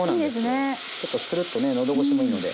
ちょっとツルッとね喉越しもいいので。